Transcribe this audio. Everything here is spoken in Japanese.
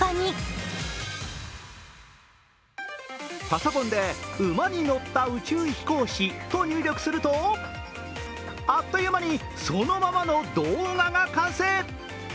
パソコンで「馬に乗った宇宙飛行士」と入力するとあっという間にそのままの動画が完成。